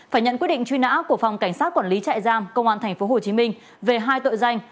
phải nhận quyết định truy nã của phòng cảnh sát quản lý trại giam công an tp hcm về hai tội danh